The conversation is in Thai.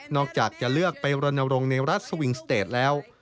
อกจากจะเลือกไปรณรงค์ในรัฐสวิงสเตจแล้ว